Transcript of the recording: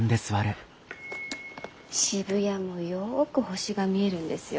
渋谷もよく星が見えるんですよ。